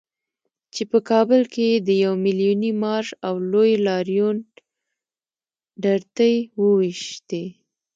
چې په کابل کې یې د يو ميليوني مارش او لوی لاريون ډرتې وويشتې.